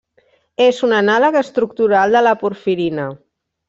És un anàleg estructural de la porfirina.